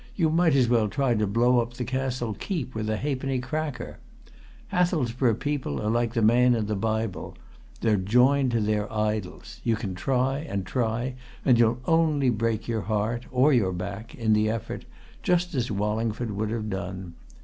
"You might as well try to blow up the Castle keep with a halfpenny cracker! Hathelsborough people are like the man in the Bible they're joined to their idols. You can try and try, and you'll only break your heart, or your back, in the effort, just as Wallingford would have done.